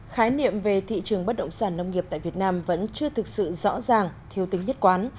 khái niệm về thị trường bất động sản nông nghiệp tại việt nam vẫn chưa thực sự rõ ràng thiếu tính nhất quán